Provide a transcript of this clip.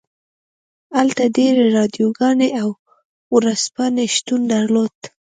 هلته ډیرې راډیوګانې او ورځپاڼې شتون درلود